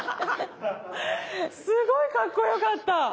すごいかっこよかった。